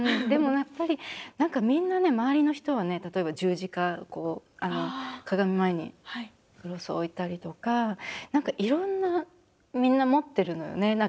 でもやっぱり何かみんなね周りの人はね例えば十字架鏡前にクロス置いたりとか何かいろんなみんな持ってるのよね。